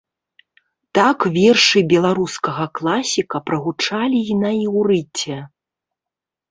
Так вершы беларускага класіка прагучалі і на іўрыце.